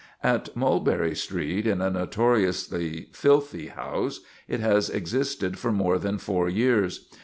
At Mulberry Street, in a notoriously filthy house, it has existed for more than four years.